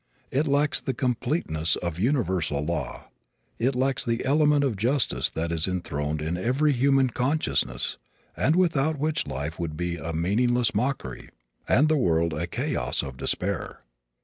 It lacks the completeness of universal law. It lacks the element of justice that is enthroned in every human consciousness and without which life would be a meaningless mockery and the world a chaos of despair.